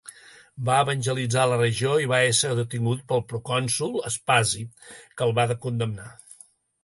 Va evangelitzar la regió i va ésser detingut pel procònsol Aspasi, que el va condemnar.